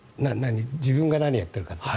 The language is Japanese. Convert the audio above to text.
自分が何をやってるかって？